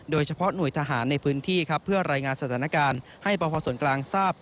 โดยเฉพาะหน่วยทหารในพื้นที่ครับเพื่อรายงานสถานการณ์ให้ประพอส่วนกลางทราบ